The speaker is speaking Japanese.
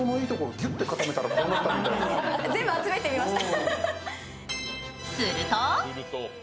全部集めてみました。